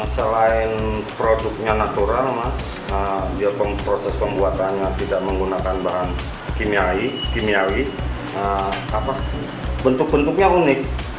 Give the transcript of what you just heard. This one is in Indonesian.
selain produknya natural mas proses pembuatannya tidak menggunakan bahan kimiawi bentuk bentuknya unik